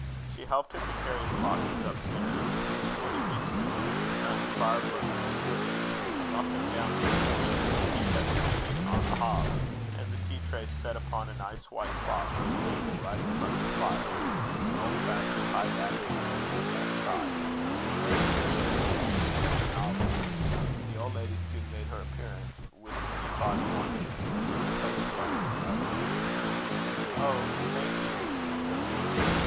She helped him to carry his boxes up stairs; and when he reached his room, he found a fire burning cheerily, a muffin down before it, a tea kettle singing on the hob, and the tea tray set upon a nice white cloth on a table right in front of the fire, with an old fashioned high backed easy chair by its side the very chair to go to sleep in over a novel. The old lady soon made her appearance, with the teapot in one hand, and a plate of butter in the other. "Oh! thank you," said Hugh.